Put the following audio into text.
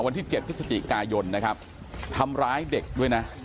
วันที่๗พฤศจิกายนนะครับทำร้ายเด็กด้วยนะ